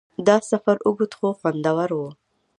دا سفر اوږد خو خوندور و.